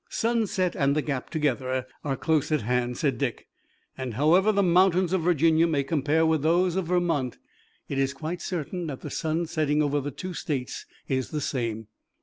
"Sunset and the gap together are close at hand," said Dick, "and however the mountains of Virginia may compare with those of Vermont, it's quite certain that the sun setting over the two states is the same."